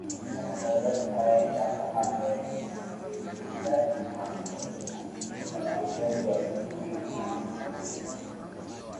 Watangazaji hao ni Abraham Mengi ni Mikidadi Mahamou Mkurugenzi wa Vipindi na Utangazaji